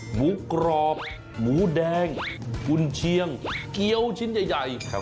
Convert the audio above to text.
หมูกรอบหมูแดงกุญเชียงเกี้ยวชิ้นใหญ่